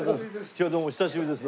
今日はどうもお久しぶりです。